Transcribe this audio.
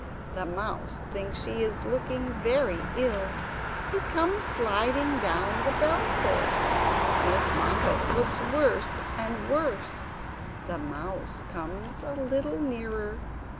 The Mouse thinks she is looking very ill. He comes sliding down the bellpull. Miss Moppet looks worse and worse. The Mouse comes a little nearer.